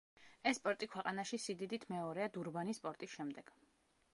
ეს პორტი ქვეყანაში სიდიდით მეორეა დურბანის პორტის შემდეგ.